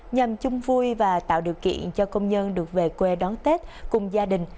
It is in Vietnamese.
nhằm chung vui và tạo điều kiện cho công nhân được về quê đón tết cùng gia đình